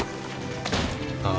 あ？